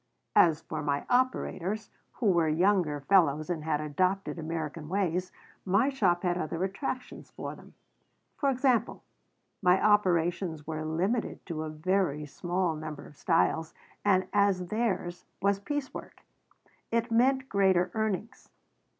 As for my operators, who were younger fellows and had adopted American ways, my shop had other attractions for them. For example, my operations were limited to a very small number of styles, and, as theirs was piece work, it meant greater earnings.